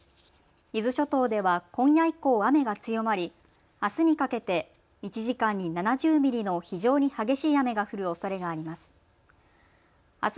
伊豆諸島では今夜以降、雨が強まりあすにかけて１時間に７０ミリの非常に激しい雨が降るおそれがあります。